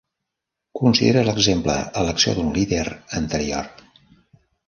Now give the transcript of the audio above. Considera l'exemple "Elecció d'un líder" anterior.